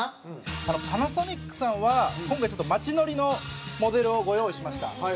松橋：パナソニックさんは今回、ちょっと街乗りのモデルをご用意しました。